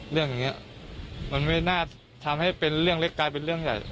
อย่างนี้มันไม่น่าทำให้เป็นเรื่องเล็กกลายเป็นเรื่องใหญ่